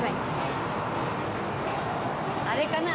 あれかな？